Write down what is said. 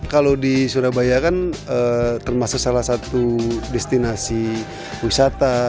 kalau di surabaya kan termasuk salah satu destinasi wisata